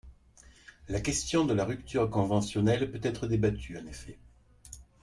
La question de la rupture conventionnelle peut être débattue, En effet